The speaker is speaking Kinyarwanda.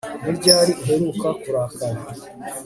Ni ryari uheruka kurakara